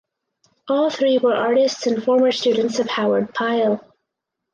All three were artists and former students of Howard Pyle.